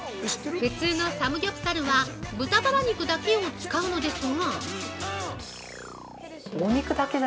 普通のサムギョプサルは豚バラ肉だけを使うのですが◆